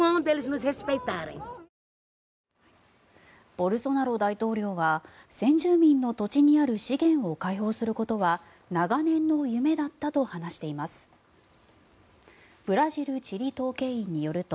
ボルソナロ大統領は先住民の土地にある資源を開放することは長年の夢だったと話しています。